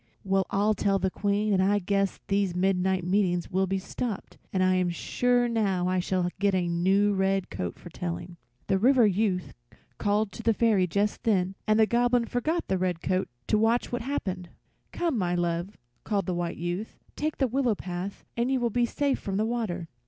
Well I'll tell the Queen and I guess these midnight meetings will be stopped, and I am sure now I shall get a new coat for telling." The River Youth called to the Fairy just then, and the Goblin forgot the red coat to watch what happened. "Come, my love," called the White Youth, "take the willow path and you will be safe from the water."